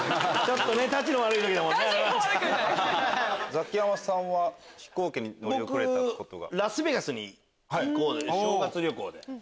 ザキヤマさんは飛行機に乗り遅れたことが。